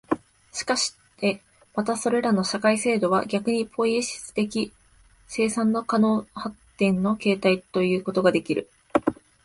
しかしてまたそれらの社会制度は逆にポイエシス的生産の可能発展の形態ということができる、